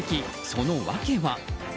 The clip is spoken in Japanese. その訳は？